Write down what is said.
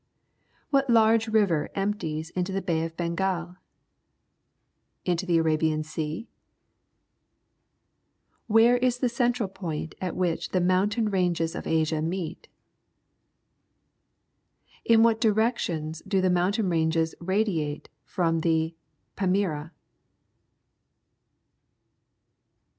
What large river empties into the Bay of Bengal? Into the Arabian Sea? Where is the central point at which the moun tain ranges of Asia meet? In what directions do the mountain ranges radiate from the Pamirs?